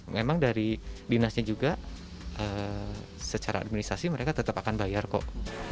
memang dari dinasnya juga secara administrasi mereka tetap akan bayar kok